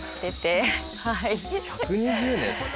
１２０年ですか？